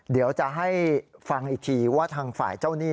เดี๋ยวจะให้ฟังอีกทีว่าทางฝ่ายเจ้าหนี้